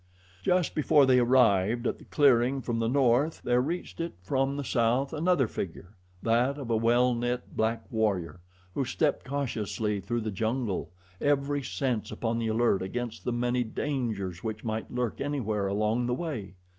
Just before they arrived at the clearing from the north there reached it from the south another figure that of a well knit black warrior, who stepped cautiously through the jungle, every sense upon the alert against the many dangers which might lurk anywhere along the way.